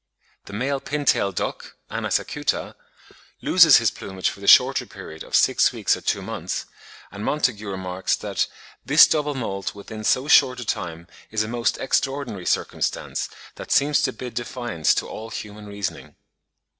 The male pin tail duck (Anas acuta) loses his plumage for the shorter period of six weeks or two months; and Montagu remarks that "this double moult within so short a time is a most extraordinary circumstance, that seems to bid defiance to all human reasoning."